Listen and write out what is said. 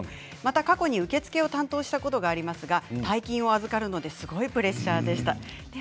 過去に受付を担当したことがありますが大金を預かるのですごいプレッシャーでした。